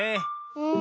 うん。